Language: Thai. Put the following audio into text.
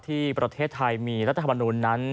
ที่ประเทศไทยมีรัฐธรรมนูลนั้น